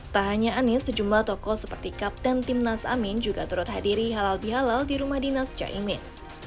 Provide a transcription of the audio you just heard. tak hanya anies sejumlah tokoh seperti kapten timnas amin juga turut hadiri halal bihalal di rumah dinas caimin